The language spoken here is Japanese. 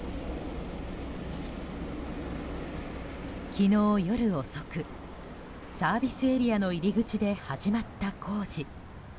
昨日夜遅く、サービスエリアの入り口で始まった工事。